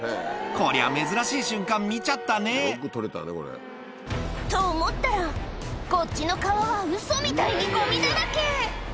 こりゃ、珍しい瞬間、見ちゃったね。と思ったら、こっちの川はウソみたいにごみだらけ。